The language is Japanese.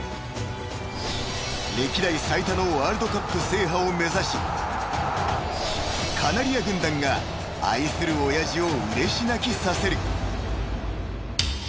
［歴代最多のワールドカップ制覇を目指しカナリア軍団が愛する親父をうれし泣きさせる］